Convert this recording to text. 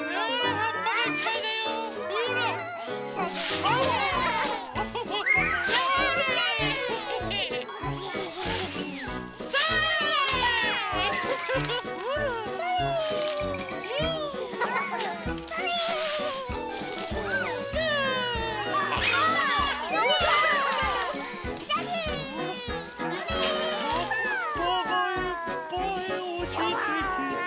はっぱがいっぱいおちてきた。